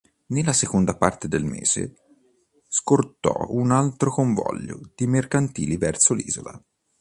Nella seconda parte del mese scortò un altro convoglio di mercantili verso l'isola.